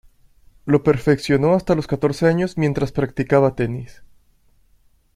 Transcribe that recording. Lo perfeccionó hasta los catorce años mientras practicaba tenis.